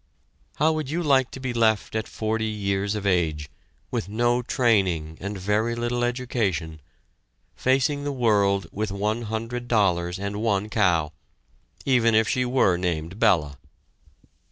'" How would you like to be left at forty years of age, with no training and very little education, facing the world with one hundred dollars and one cow, even if she were named "Bella"?